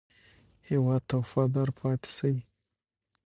هېواد ته وفادار پاتې شئ.